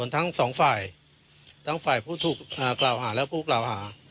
ทั้งสองฝ่ายทั้งฝ่ายผู้ถูกกล่าวหาและผู้กล่าวหา